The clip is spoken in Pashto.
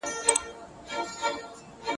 دلته د يوې ځواني نجلۍ درد بيان سوی دی چي له ,